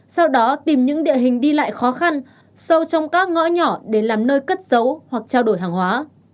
sau đó tìm những địa hình đi lại khó khăn sâu trong các ngõ nhỏ để làm nơi cất giấu hoặc trao đổi hàng hóa